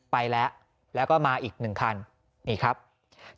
ไปแล้วแล้วก็มาอีกอีกครั้ง